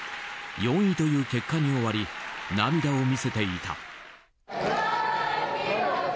４位という結果に終わり涙を見せていた。